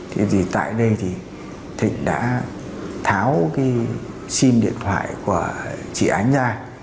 thì tại đây thì thịnh đã tháo sim điện thoại của chị ánh ra